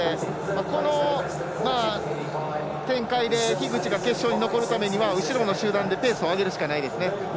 この展開で樋口が決勝に残るためには後ろの集団でペースを上げるしかないです。